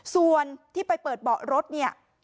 ส่วนที่ไปเปิดเบาะรถเนี่ย